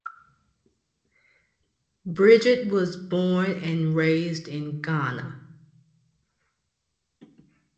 Bridget was born and raised in Ghana.